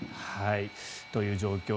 という状況